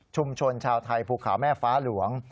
ชาวไทยภูเขาแม่ฟ้าหลวง